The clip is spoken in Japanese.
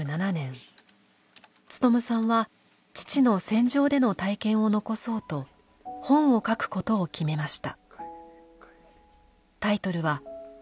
勉さんは父の戦場での体験を残そうと本を書くことを決めました。